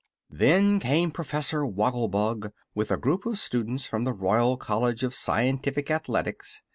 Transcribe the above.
Then came Professor Woggle Bug, with a group of students from the Royal College of Scientific Athletics.